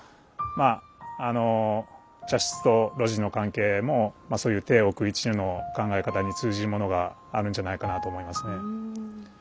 まああの茶室と露地の関係もそういう庭屋一如の考え方に通じるものがあるんじゃないかなと思いますね。